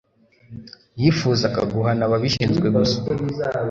Yifuzaga guhana ababishinzwe gusa